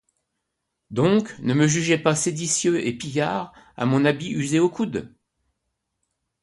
Donc, ne me jugez pas séditieux et pillard à mon habit usé aux coudes.